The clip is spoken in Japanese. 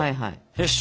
よし。